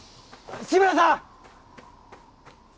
志村さん！